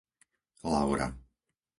Laura